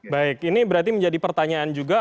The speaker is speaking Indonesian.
baik ini berarti menjadi pertanyaan juga